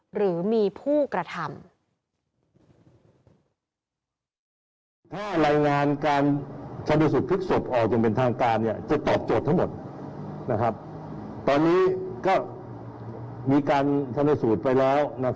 หรือมีผู้กระทำ